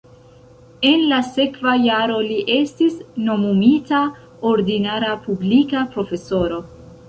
En la sekva jaro li estis nomumita ordinara publika profesoro.